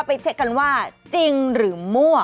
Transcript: ไปเช็คกันว่าจริงหรือมั่ว